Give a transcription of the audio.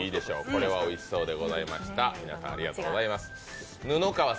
これはおいしそうでございました。